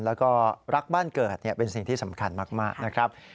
แล้วก็รักบ้านเกิดเป็นสิ่งที่สำคัญมากนะครับ